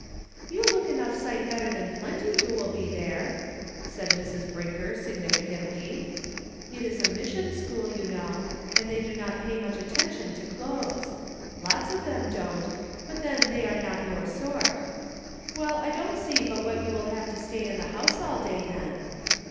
" You look enough sight better than plenty who will be there," said Mrs. Brinker signifi cantly. "It is a mission school, you know, and they do not pay much attention to clothes; lots of them don't, but then they are not your sort. Well, I don't see but what you will have to stay in the house all day, then."